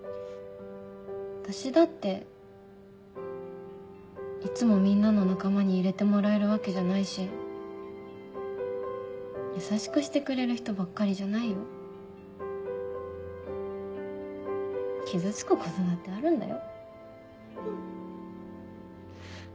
私だっていつもみんなの仲間に入れてもらえるわけじゃないし優しくしてくれる人ばっかりじゃないよ。傷つくことだってあるんだよ。